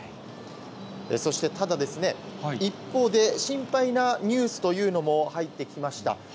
そして、ただですね、一方で、心配なニュースというのも入ってきました。